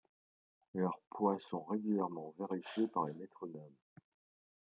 Leurs poids sont régulièrement vérifiés par les métronomes.